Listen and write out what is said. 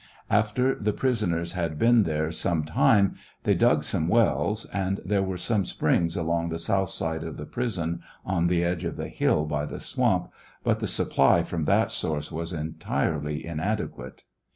After the prisoners had been there some time they dug some wells, and there were some springs along the south side of the prison, on the edge of the hill by the swamp, but the supply from that source was entirely inadequate.